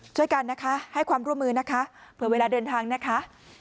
ช่วยกันนะคะให้ความร่วมมือนะคะเผื่อเวลาเดินทางนะคะ